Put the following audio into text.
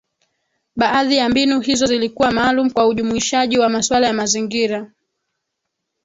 Baadhi ya mbinu hizo zilikuwa maalum kwa ujumuishaji wa masuala ya mazingira